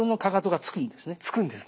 つくんですね。